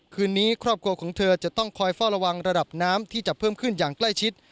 คืนนี้ครอบครัวของเธอจะต้องคอยเฝ้าระวังระดับน้ำที่จะเพิ่มขึ้นอย่างใกล้ชิด